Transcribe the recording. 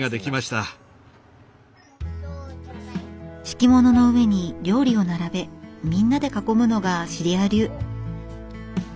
敷物の上に料理を並べみんなで囲むのがシリア流。